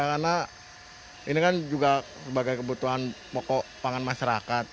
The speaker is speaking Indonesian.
karena ini kan juga sebagai kebutuhan pokok pangan masyarakat